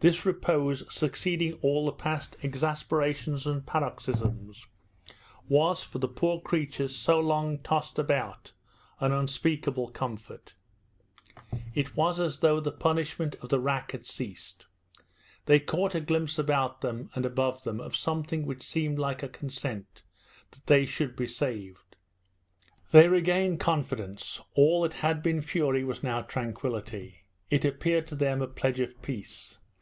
This repose succeeding all the past exasperations and paroxysms was, for the poor creatures so long tossed about, an unspeakable comfort. It was as though the punishment of the rack had ceased. They caught a glimpse about them and above them of something which seemed like a consent, that they should be saved. They regained confidence. All that had been fury was now tranquillity. It appeared to them a pledge of peace.